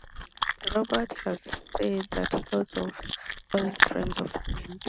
Sir Robert Melville had said that House of Raith were always friends to Wemyss.